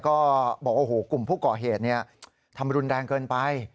ก็บอกว่าโอ้โหกลุ่มผู้ก่อเหตุทำรุนแรงเกินไป